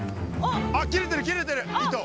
切れてる切れてる糸。